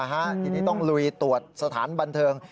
ทีนี้ต้องลุยตรวจสถานบันเทิง